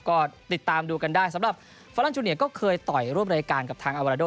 ก็ติดตามดูกันได้สำหรับฟาลันจูเนียก็เคยต่อยร่วมรายการกับทางอาวาราโ